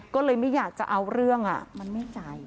ก็เลยไม่อยากจะเอาเรื่องมันไม่จ่าย